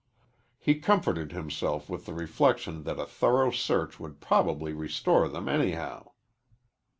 He comforted himself with the reflection that a thorough search would probably restore them, anyhow.